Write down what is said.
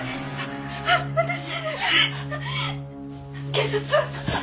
警察。